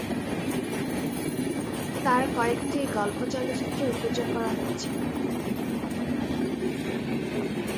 তার কয়েকটি গল্প চলচ্চিত্রে উপযোগ করা হয়েছে।